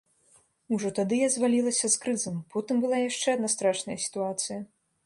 Ужо тады я звалілася з крызам, потым была яшчэ адна страшная сітуацыя.